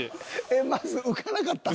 えっまず浮かなかった？